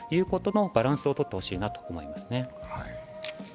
バランスをとってほしいなと思いますね。